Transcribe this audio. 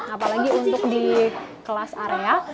apalagi untuk di kelas area